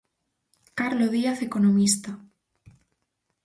Carlo Díaz Economista.